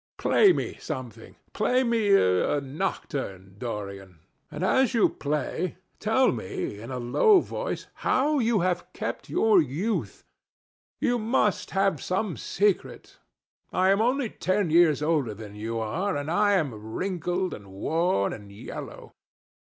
Play me something. Play me a nocturne, Dorian, and, as you play, tell me, in a low voice, how you have kept your youth. You must have some secret. I am only ten years older than you are, and I am wrinkled, and worn, and yellow.